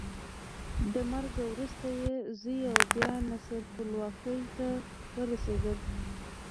له مرګه وروسته یې زوی او بیا نصر ټولواکۍ ته ورسېدل.